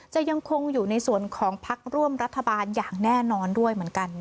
จะยังคงอยู่ในส่วนของพักร่วมรัฐบาลอย่างแน่นอนด้วยเหมือนกัน